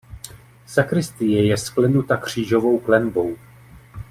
Sakristie je sklenuta křížovou klenbou.